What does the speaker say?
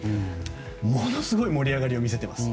ものすごい盛り上がりを見せています。